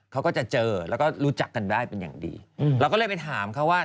เขาก็จะเจอแล้วก็รู้จักกันได้เป็นอย่างดีเราก็เลยไปถามเขาว่า